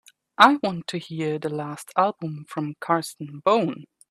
I want to hear the last album from Carsten Bohn